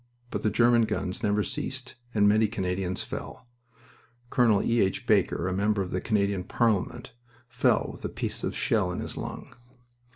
But the German guns never ceased and many Canadians fell. Col. E. H. Baker, a member of the Canadian Parliament, fell with a piece of shell in his lung.